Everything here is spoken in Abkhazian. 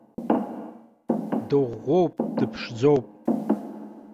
Дыӷәӷәоуп, дыԥшӡоуп.